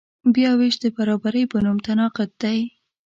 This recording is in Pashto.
بیاوېش د برابرۍ په نوم تناقض دی.